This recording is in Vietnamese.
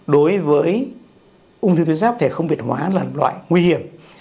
đối với ung thư tuyến ráp thể không biệt hóa là loại nguy hiểm